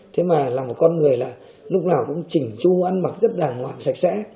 thế mà là một con người là lúc nào cũng chỉnh chu ăn mặc rất đàng hoàng sạch sẽ